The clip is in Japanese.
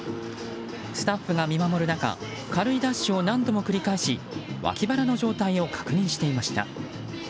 スタッフが見守る中軽いダッシュを何度も繰り返し脇腹の状態を確認していました。